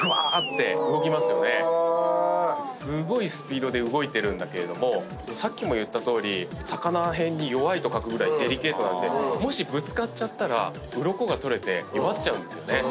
すごいスピードで動いてるんだけれどもさっきも言ったとおりさかなへんに弱いと書くぐらいデリケートなんでもしぶつかったらうろこが取れて弱っちゃうんですよね。